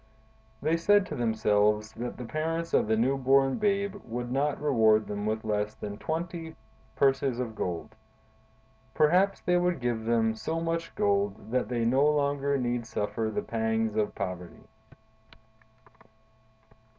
They said to themselves that the parents of the new born babe would not reward them with less than twenty purses of gold; perhaps they would give them so much gold that they no longer need suffer the pangs of poverty.